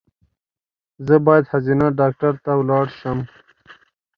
زه باید ښځېنه ډاکټر ته ولاړ شم